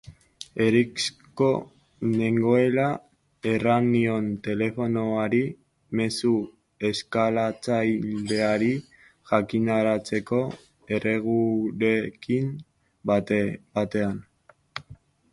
Erixko nengoela erran nion telefonariari, mezua Eskalatzaileari jakinarazteko erreguarekin batean.